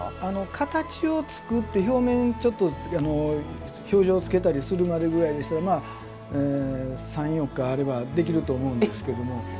形を作って表面ちょっと表情をつけたりするまでぐらいでしたらまあ３４日あればできると思うんですけども。